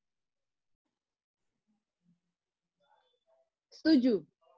setuju atau enggak setuju